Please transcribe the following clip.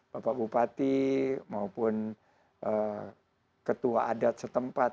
bapak bupati maupun ketua adat setempat